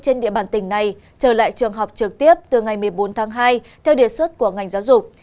trên địa bàn tỉnh này trở lại trường học trực tiếp từ ngày một mươi bốn tháng hai theo đề xuất của ngành giáo dục